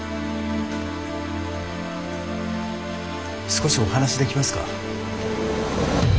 少しお話できますか？